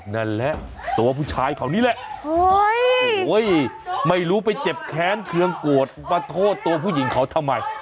นั่นแหละตัวผู้ชายเขานี่แหละโอ้โหไม่รู้ไปเจ็บแค้นเครื่องโกรธมาโทษตัวผู้หญิงเขาทำไม